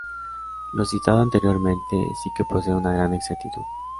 Lo citado anteriormente si que posee una gran exactitud.